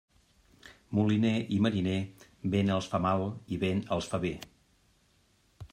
Moliner i mariner, vent els fa mal i vent els fa bé.